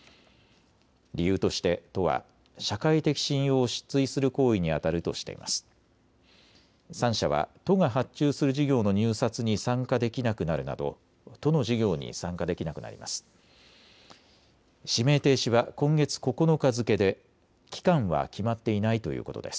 理由として都は社会的信用を失墜する行為にあたるとしています。